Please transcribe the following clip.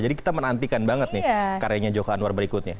jadi kita menantikan banget nih karyanya joko anwar berikutnya